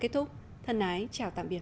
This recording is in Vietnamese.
quý vị khán giả kết thúc thân ái chào tạm biệt